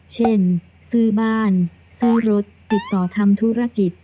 เช่นซื้อบ้านสร้อยรถติดต่อทำธุรกิจ